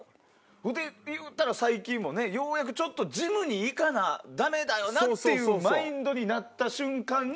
ほいでいうたら最近もねようやくちょっと「ジムに行かなダメだよな」っていうマインドになった瞬間に。